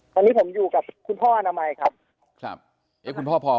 ตอนนี้ผมอยู่กับคุณพ่ออนามัยครับ